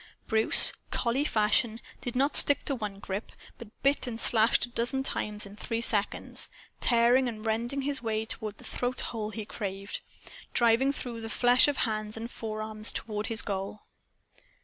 Bruce, collie fashion, did not stick to one grip, but bit and slashed a dozen times in three seconds, tearing and rending his way toward the throat hold he craved; driving through flesh of hands and of forearms toward his goal.